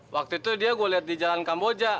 waktu itu dia gue liat di jalan kamboja